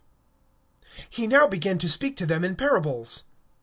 AND he began to speak to them in parables.